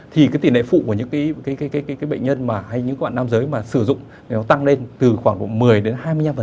thì cái tỉ lệ phụ của những cái bệnh nhân hay những bạn nam giới mà sử dụng nó tăng lên từ khoảng một mươi đến hai mươi năm